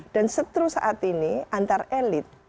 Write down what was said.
dan setru saat ini antar elit